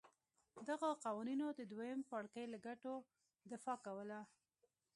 دغو قوانینو د دویم پاړکي له ګټو دفاع کوله.